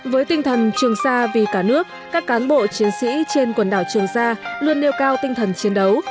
với tinh thần trường xa vì cả nước các cán bộ chiến sĩ trên quần đảo trường sa luôn nêu cao tinh thần chiến đấu